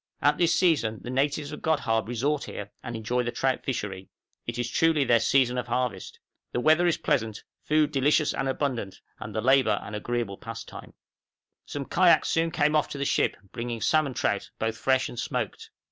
At this season the natives of Godhaab resort here and enjoy the trout fishery, it is truly their season of harvest: the weather is pleasant, food delicious and abundant, and the labor an agreeable pastime. {AUG., 1857.} {CHRISTIAN, THE DOG DRIVER.} Some kayaks soon came off to the ship, bringing salmon trout, both fresh and smoked.